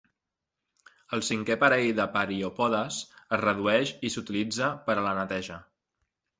El cinquè parell de pereiopodes es redueix i s'utilitza per a la neteja.